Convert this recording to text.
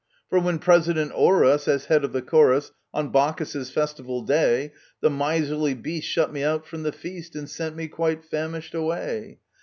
For, when president o'er us, as head of the Chor On Bacchus's festival day, The miserly beast shut me out from the feast, And sent me quite famished away